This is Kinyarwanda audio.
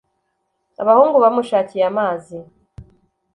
Abahungu bamushakiye amazi